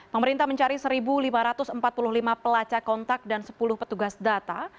pemerintah mencari satu lima ratus empat puluh lima pelacak kontak dan sepuluh petugas data